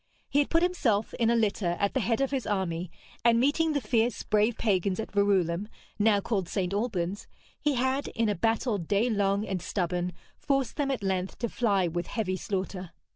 He had put himself, in a litter, at the head of his army, and meeting the fierce, brave pagans at Verulam (now called St. Albans) he had, in a battle day long and stubborn, forced them at length to fly with heavy slaughter.